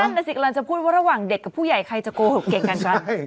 นั่นแน่จริงไหมสิเราจะพูดว่าระหว่างเด็กกับผู้ใหญ่ใครจะโกหกเก่งกันกัน